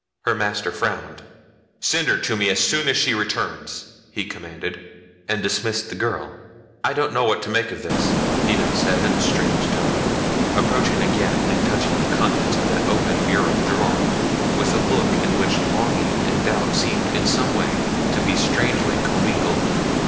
Her master frowned. "Send her to me as soon as she returns," he commanded, and dismissed the girl. "I don't know what to make of this," he now said in a strange tone, approaching again the touching contents of that open bureau drawer with a look in which longing and doubt seemed in some way to be strangely commingled.